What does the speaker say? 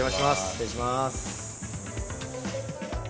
失礼します。